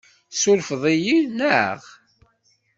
Tessurfeḍ-iyi, naɣ?